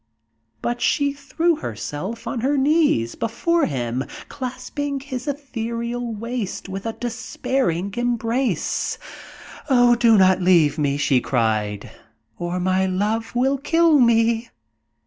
But she threw herself on her knees before him, clasping his ethereal waist with a despairing embrace. "Oh, do not leave me," she cried, "or my love will kill me!"